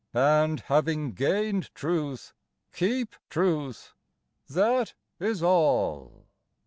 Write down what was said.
And having gained truth, keep truth; that is all.